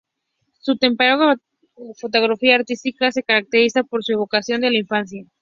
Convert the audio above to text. Su temprana fotografía artística se caracteriza por su evocación de la infancia.